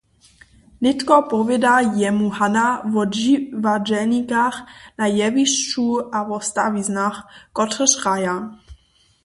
Nětko powěda jemu Hana wo dźiwadźelnikach na jewišću a wo stawiznach, kotrež hraja.